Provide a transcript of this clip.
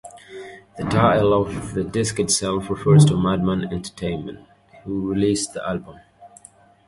The title of the disc itself refers to Madman Entertainment, who released the Album.